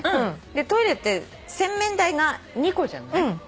トイレって洗面台が２個じゃない。